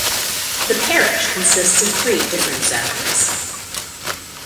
The parish consists of three different zones.